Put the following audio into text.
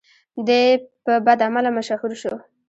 دی په بدعمله مشهور شو.